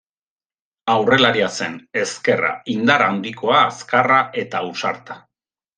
Aurrelaria zen, ezkerra, indar handikoa, azkarra eta ausarta.